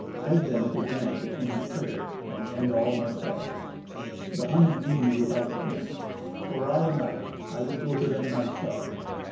Beg them to grant the king's prayer and end all my sorrow. The Huns deem me without kin. Were I a knight, I would go to them myself.